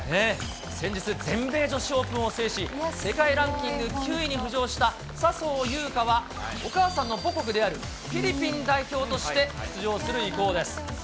先日、全米女子オープンを制し、世界ランキング９位に浮上した笹生優花は、お母さんの母国であるフィリピン代表として出場する意向です。